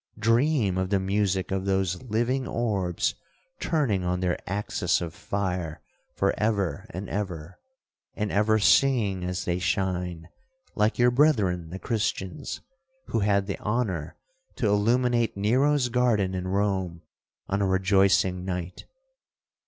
—Dream of the music of those living orbs turning on their axis of fire for ever and ever, and ever singing as they shine, like your brethren the Christians, who had the honour to illuminate Nero's garden in Rome on a rejoicing night.'